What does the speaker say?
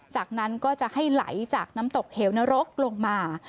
จากนั้นก็จะให้ไหลจากน้ำตกเหวนรกลงมา